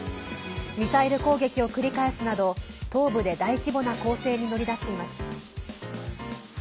ミサイル攻撃を繰り返すなど東部で大規模な攻勢に乗り出しています。